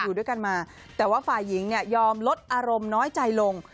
อยู่ด้วยกันมาแต่ว่าฝ่ายหญิงเนี่ยยอมลดอารมณ์น้อยใจลง